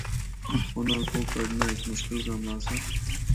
انّاں کو کنڈنا ہک مشکل کم آسا۔